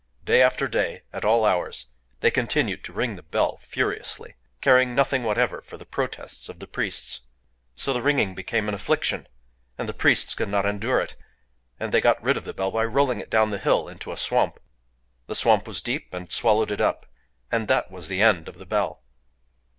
Day after day, at all hours, they continued to ring the bell furiously,—caring nothing whatever for the protests of the priests. So the ringing became an affliction; and the priests could not endure it; and they got rid of the bell by rolling it down the hill into a swamp. The swamp was deep, and swallowed it up,—and that was the end of the bell.